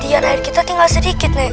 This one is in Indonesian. persediaan air kita tinggal sedikit nek